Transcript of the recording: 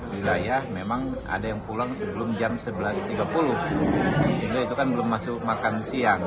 wilayah memang ada yang pulang sebelum jam sebelas tiga puluh sehingga itu kan belum masuk makan siang